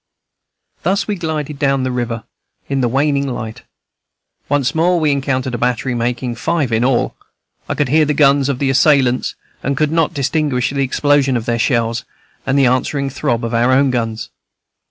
Thus we glided down the river in the waning light. Once more we encountered a battery, making five in all; I could hear the guns of the assailants, and could not distinguish the explosion of their shells from the answering throb of our own guns.